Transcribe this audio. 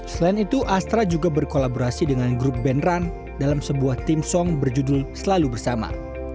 selain itu astra juga berkolaborasi dengan grup band run dalam sebuah tim song berjudul selalu bersama